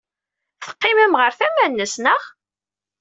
Teqqimem ɣer tama-nnes, naɣ?